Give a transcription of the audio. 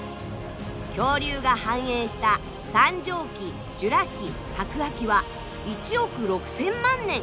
恐竜が繁栄した三畳紀ジュラ紀白亜紀は１億６，０００万年。